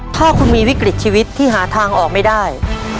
ถ้าคุณมีวิกฤตชีวิตที่หาทางออกไม่ได้